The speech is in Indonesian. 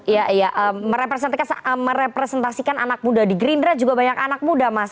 iya iya merepresentasikan anak muda di gerindra juga banyak anak muda mas